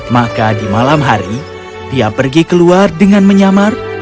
maka di malam hari dia pergi keluar dengan menyamar